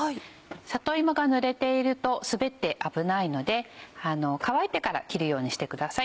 里芋がぬれていると滑って危ないので乾いてから切るようにしてください。